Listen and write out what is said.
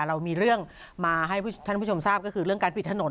เรามีเรื่องมาให้ท่านผู้ชมทราบก็คือเรื่องการปิดถนน